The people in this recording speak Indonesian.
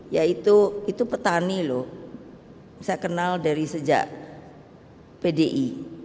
yaitu itu petani loh saya kenal dari sejak pdi